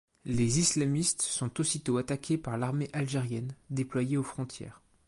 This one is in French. Les islamistes sont aussitôt attaqués par l'armée algérienne déployée aux frontières.